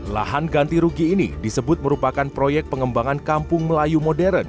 lahan ganti rugi ini disebut merupakan proyek pengembangan kampung melayu modern